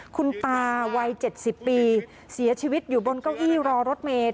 คุณตาวัย๗๐ปีเสียชีวิตอยู่บนเก้าอี้รอรถเมย์